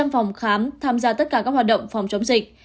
hai trăm linh phòng khám tham gia tất cả các hoạt động phòng chống dịch